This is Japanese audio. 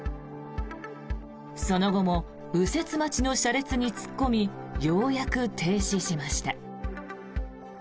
その後も右折待ちの車列に突っ込みようやく停止しました。